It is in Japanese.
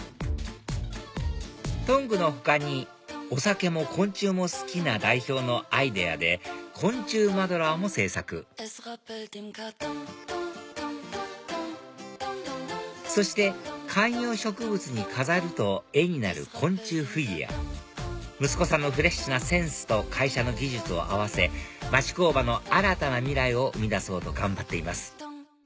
トングの他にお酒も昆虫も好きな代表のアイデアで昆虫マドラーも製作そして観葉植物に飾ると絵になる昆虫フィギュア息子さんのフレッシュなセンスと会社の技術を合わせ町工場の新たな未来を生み出そうと頑張っています